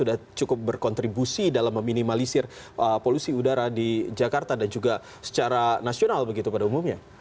sudah cukup berkontribusi dalam meminimalisir polusi udara di jakarta dan juga secara nasional begitu pada umumnya